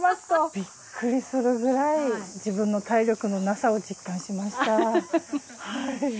ビックリするくらい自分の体力の無さを実感しました。